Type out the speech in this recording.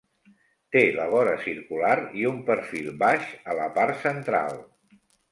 Té la vora circular i un perfil baix a la part central.